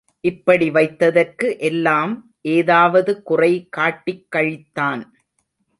இப்படி வைத்ததற்கு எல்லாம் ஏதாவது குறை காட்டிக் கழித்தான்.